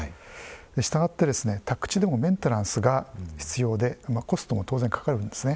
したがって宅地でもメンテナンスが必要でコストも当然かかるんですね。